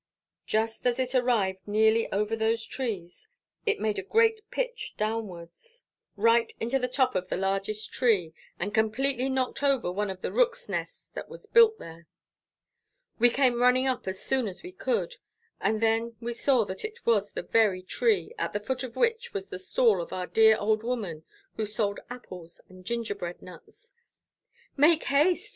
Just as it arrived nearly over those trees, it made a great pitch downwards, right into the top of the largest tree, and completely knocked over one of the rooks' nests that was built there. We came running up as soon as we could, and then we saw that it was the very tree, at the foot of which was the stall of our dear old woman, who sold apples and gingerbread nuts. "Make haste!"